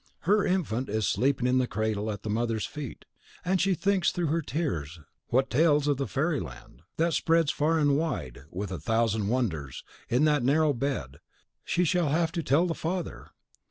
Her infant is sleeping in the cradle at the mother's feet; and she thinks through her tears what tales of the fairy land, that spreads far and wide, with a thousand wonders, in that narrow bed, she shall have to tell the father!